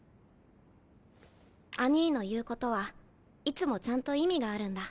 兄ィの言うことはいつもちゃんと意味があるんだ。